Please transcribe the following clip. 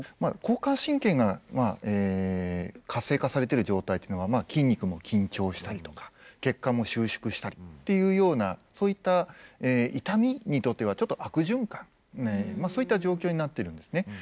交感神経が活性化されてる状態っていうのは筋肉も緊張したりとか血管も収縮したりっていうようなそういった痛みにとってはちょっと悪循環そういった状況になってるんですね。